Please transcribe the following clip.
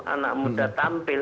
anak muda tampil